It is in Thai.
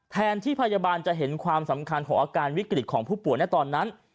แทนที่พยาบาลจะเห็นความสำคัญของอาการวิกฤตของผู้ป่วยในตอนนั้น